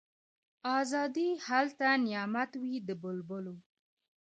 آزادي هلته نعمت وي د بلبلو